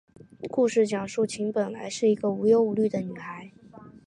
故事讲述琴本来是一个无忧无虑的女孩。